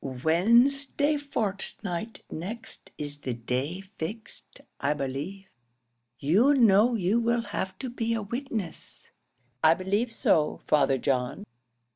"Wednesday fortnight next is the day fixed, I believe. You know you will have to be a witness?" "I believe so, Father John."